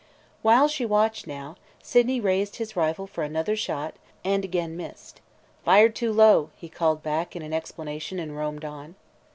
While she watched now, Sydney raised his rifle for another shot and again missed. "Fired too low!" he called back in explanation and roamed on.